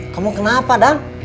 kamu kenapa dang